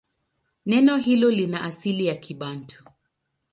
Neno hilo lina asili ya Kibantu.